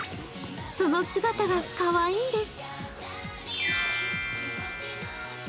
その姿がかわいいんです。